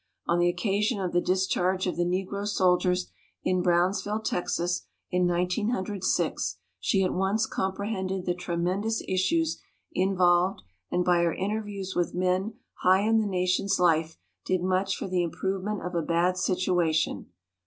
On the occa sion of the discharge of the Negro soldiers in Brownsville, Texas, in 1906, she at once comprehended the tremendous issues in volved and by her interviews with men high in the nation's life did much for the im provement of a bad situation.